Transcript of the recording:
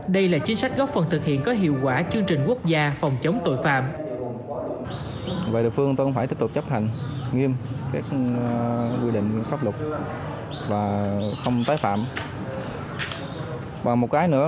đây là chính sách góp phần thực hiện có hiệu quả chương trình quốc gia phòng chống tội phạm